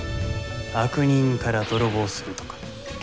悪人から泥棒するとか。